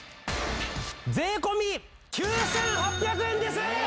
税込９８００円です！